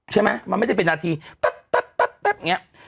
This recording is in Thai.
ใช่ไหมมันไม่ได้เป็นนาทีปั๊บแบบเนี่ย